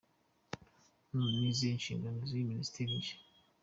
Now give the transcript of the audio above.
None, ni izihe nshingano z'iyi minisiteri nshya?.